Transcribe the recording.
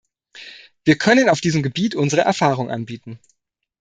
Wir können auf diesem Gebiet unsere Erfahrung anbieten.